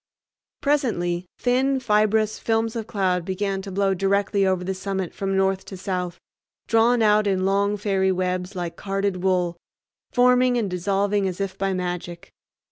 Presently thin, fibrous films of cloud began to blow directly over the summit from north to south, drawn out in long fairy webs like carded wool, forming and dissolving as if by magic.